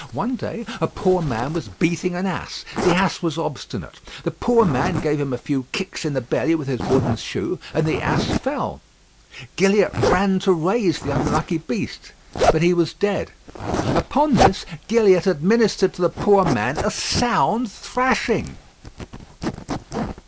One day, a poor man was beating an ass. The ass was obstinate. The poor man gave him a few kicks in the belly with his wooden shoe, and the ass fell. Gilliatt ran to raise the unlucky beast, but he was dead. Upon this Gilliatt administered to the poor man a sound thrashing.